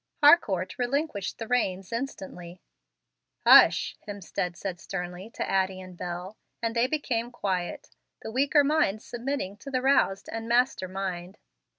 Harcourt relinquished the reins instantly. "Hush!" Hemstead said sternly to Addie and Bel, and they became quiet, the weaker minds submitting to the roused and master mind.